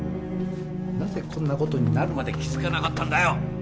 なぜこんなことになるまで気づかなかったんだよ